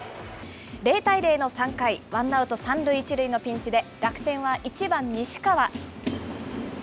０対０の３回、ワンアウト３塁１塁のピンチで、楽天は１番西川。